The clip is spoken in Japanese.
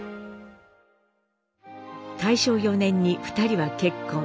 大正４年に２人は結婚。